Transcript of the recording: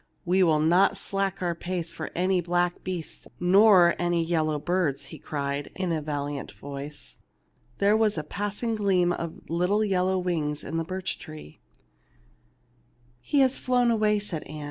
"We will not slack our pace for any black beasts nor any yellow birds/'' he cried, in a valiant voice. There was a passing gleam of little yellow wings above the birch tree. "He has flown away,'' said Ann.